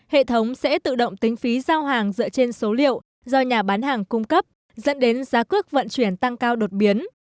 hệ thống sẽ tự động tính phí giao hàng dựa trên số liệu do nhà bán hàng cung cấp dẫn đến giá cước vận chuyển tăng cao đột biến